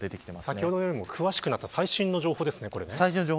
先ほどよりも詳しくなった最新の情報ですね。